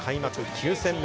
９戦目。